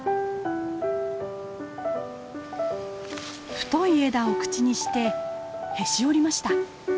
太い枝を口にしてへし折りました。